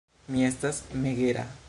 Mi estas megera.